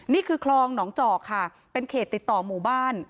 นี่คือคลองหนองจอกค่ะเป็นเขตติดต่อหมู่บ้าน